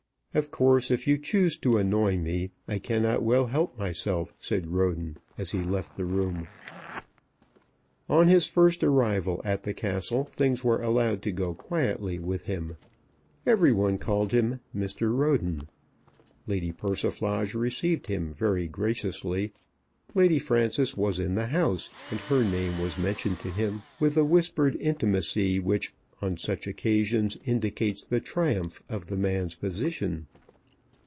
"Of course, if you choose to annoy me, I cannot well help myself," said Roden as he left the room. On his first arrival at the Castle things were allowed to go quietly with him. Every one called him "Mr. Roden." Lady Persiflage received him very graciously. Lady Frances was in the house, and her name was mentioned to him with the whispered intimacy which on such occasions indicates the triumph of the man's position.